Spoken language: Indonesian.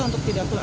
untuk tidak penuh